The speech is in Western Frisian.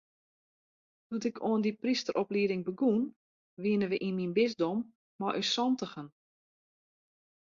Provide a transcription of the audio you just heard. Doe't ik oan de prysteroplieding begûn, wiene we yn myn bisdom mei ús santigen.